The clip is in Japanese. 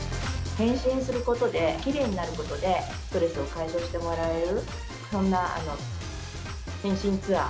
変身することで、きれいになることで、ストレスを解消してもらえる、そんな変身ツアー。